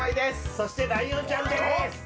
そして、ライオンちゃんです。